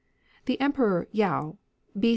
The Emperor Yao, B.